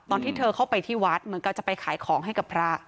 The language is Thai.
ตอนที่เธอเข้าไปที่วัดเหมือนกับจะไปขายของให้กับพระ